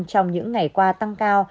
trong những ngày qua tăng cao